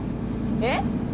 えっ！？